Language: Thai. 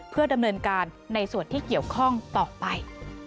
เพื่อดำเนินการในส่วนที่เกี่ยวข้องต่อไป